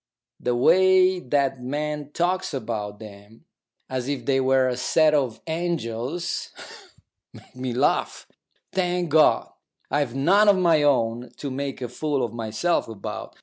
The way that man talks about them, as if they were a set of angels, makes me laugh. Thank God, I've none of my own to make a fool of myself about.